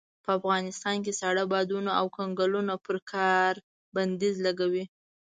په افغانستان کې ساړه بادونه او کنګلونه پر کار بنديز لګوي.